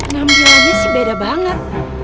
nampilannya sih beda banget